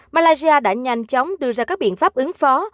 malaysia đã nhanh chóng đưa ra các biện pháp ứng phó